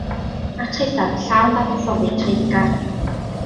Mae'r traethawd yn llawn dadansoddi treiddgar.